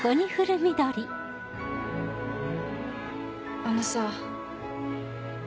あのさ。